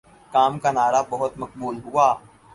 کام کا نعرہ بہت مقبول ہوا